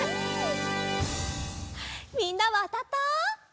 みんなはあたった？